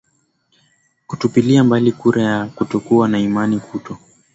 kutupilia mbali kura ya kutokuwa na imani kuto